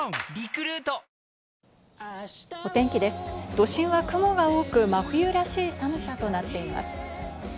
都心は雲が多く真冬らしい寒さとなっています。